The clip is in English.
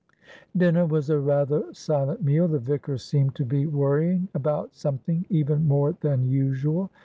Dinner was a rather silent meal. The vicar seemed to be worrying about something even more than usual.